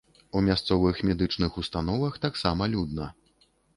У мясцовых медычных установах таксама людна.